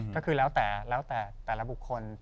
ก็คือแล้วแต่แล้วแต่ละบุคคล